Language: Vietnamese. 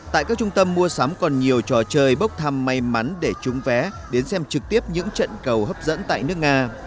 tại các trung tâm mua sắm còn nhiều trò chơi bốc thăm may mắn để trúng vé đến xem trực tiếp những trận cầu hấp dẫn tại nước nga